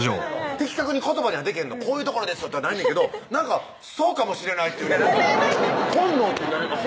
的確に言葉にはでけへんの「こういうところですよ」ってのはないねんけどそうかもしれないっていうね本能っていうかね